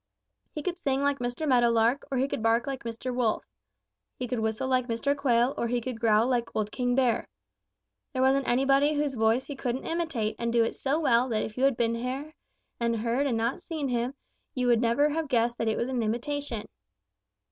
He could sing like Mr. Meadow Lark, or he could bark like Mr. Wolf. He could whistle like Mr. Quail, or he could growl like old King Bear. There wasn't anybody whose voice he couldn't imitate and do it so well that if you had been there and heard but not seen him, you never would have guessed that it was an imitation.